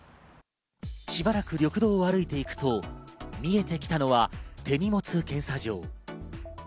しばらく緑道を歩いていくと見えてきたのは手荷物検査場。